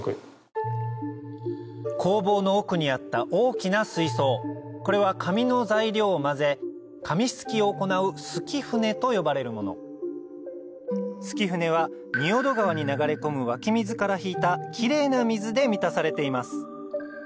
工房の奥にあった大きな水槽これは紙の材料を混ぜ紙漉きを行う漉き舟と呼ばれるもの漉き舟は仁淀川に流れ込む湧き水から引いたキレイな水で満たされています